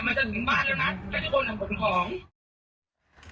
มันจะถึงบ้านแล้วนะก็จะโดนถึงผลของ